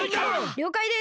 りょうかいです。